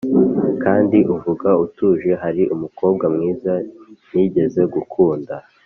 Kandi uvuga atuje hari umukobwa mwiza nigeze gukunda